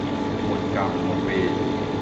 หมดกรรมหมดเวร